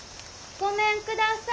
ごめんください！